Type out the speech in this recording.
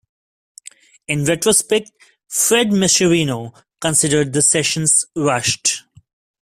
In retrospect, Fred Mascherino considered the sessions rushed.